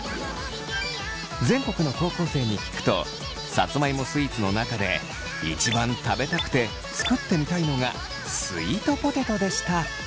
全国の高校生に聞くとさつまいもスイーツの中で一番食べたくて作ってみたいのがスイートポテトでした。